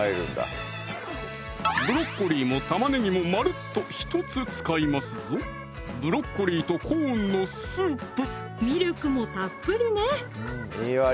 ブロッコリーも玉ねぎもまるっと１つ使いますぞミルクもたっぷりね